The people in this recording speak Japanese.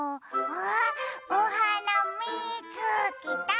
あおはなみつけた！